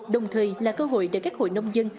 đồng thời là cơ hội để các hội nông dân